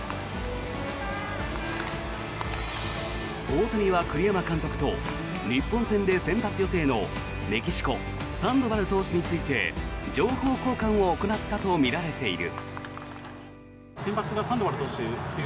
大谷は栗山監督と日本戦で先発予定のメキシコサンドバル投手について情報交換を行ったとみられている。